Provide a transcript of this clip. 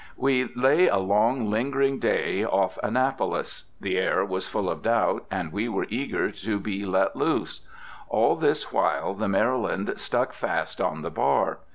We lay a long, lingering day, off Annapolis. The air was full of doubt, and we were eager to be let loose. All this while the Maryland stuck fast on the bar.